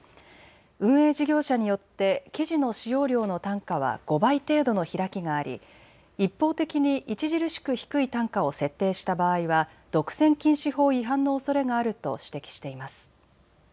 運営事業者によって記事の使用料の単価は５倍程度の開きがあり一方的に著しく低い単価を設定した場合は独占禁止法違反のおそれがあると指摘しています。